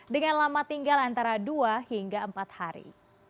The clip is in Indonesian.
dengan lama tinggal antara dua hingga empat hari